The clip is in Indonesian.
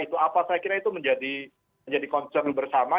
itu apa saya kira itu menjadi concern bersama